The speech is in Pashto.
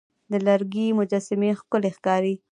د لرګي مجسمې ښکلي ښکاري.